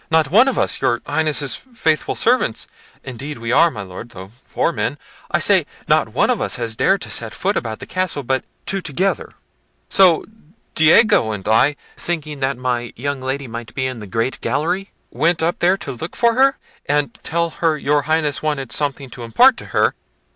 not one of us your Highness's faithful servants—indeed we are, my Lord, though poor men—I say, not one of us has dared to set a foot about the castle, but two together: so Diego and I, thinking that my young Lady might be in the great gallery, went up there to look for her, and tell her your Highness wanted something to impart to her."